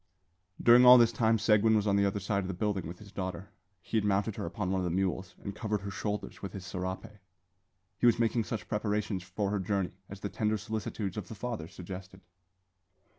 During all this time Seguin was on the other side of the building with his daughter. He had mounted her upon one of the mules, and covered her shoulders with his serape. He was making such preparations for her journey as the tender solicitudes of the father suggested.